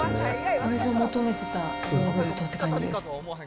これぞ、求めてたヨーグルトって感じです。